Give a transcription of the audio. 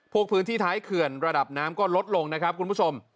พื้นที่ท้ายเขื่อนระดับน้ำก็ลดลงนะครับคุณผู้ชม